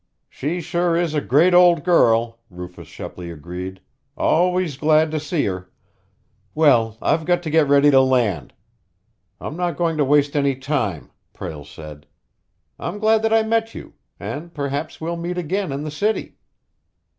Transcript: "She sure is a great old girl!" Rufus Shepley agreed. "Always glad to see her!" "Well, I've got to get ready to land; I'm not going to waste any time," Prale said. "I'm glad that I met you and perhaps we'll meet again in the city."